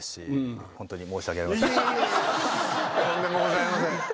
とんでもございません。